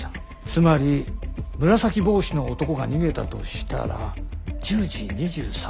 つまり紫帽子の男が逃げたとしたら１０時２３分以降ということだな。